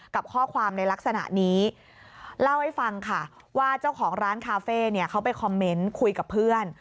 กับข้อความในลักษณะนี้เล่าให้ฟังค่ะว่าเจ้าของร้านคาเฟ่เนี่ยเขาไปคอมเมนต์คุยกับเพื่อน